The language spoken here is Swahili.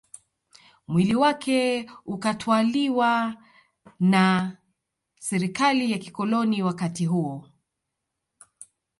Mwili wake ukatwaliwa na Serikali ya kikoloni wakati huo